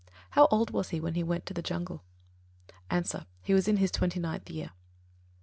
How old was he when he went to the jungle? A. He was in his twenty ninth year. 34.